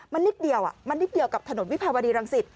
มันนิดเดียวมันนิดเดียวกับถนนวิภาวดีรังสิต